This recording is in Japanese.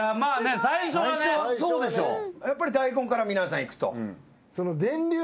やっぱり大根から皆さんいくと。